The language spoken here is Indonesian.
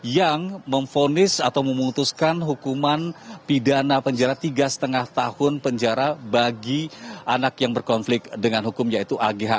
yang memfonis atau memutuskan hukuman pidana penjara tiga lima tahun penjara bagi anak yang berkonflik dengan hukum yaitu agh